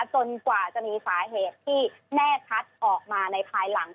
จนกว่าจะมีสาเหตุที่แน่ชัดออกมาในภายหลัง